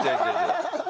ハハハハ！